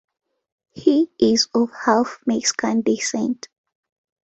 He is of half Mexican descent.